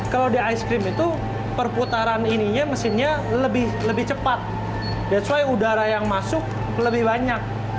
kalo di ice cream itu perputaran ininya mesinnya lebih cepat that's why udara yang masuk lebih banyak